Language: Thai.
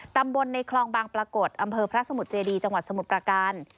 ตำบลในคลองบางปรากฏอำเภอพระสมุทรเจดีจังหวัดสมุทรประการ